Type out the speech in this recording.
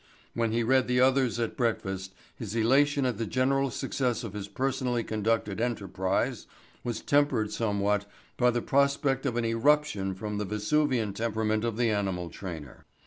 When he read the others at breakfast his elation at the general success of his personally conducted enterprise was tempered somewhat by the prospect of an eruption from the Vesuvian temperament of the animal trainer.